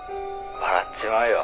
「笑っちまうよ。